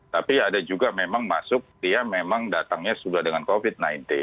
tapi ada juga memang masuk dia memang datangnya sudah dengan covid sembilan belas